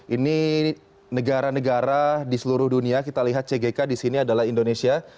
ini negara negara di seluruh dunia kita lihat cg di sini adalah indonesia